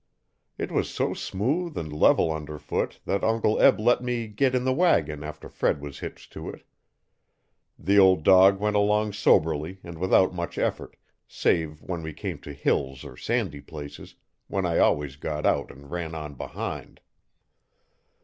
It was so smooth and level under foot that Uncle Eb let me get in the wagon after Fred was hitched to it The old dog went along soberly and without much effort, save when we came to hills or sandy places, when I always got out and ran on behind.